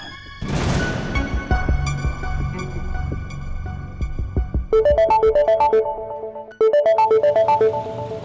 tidak ada apa apa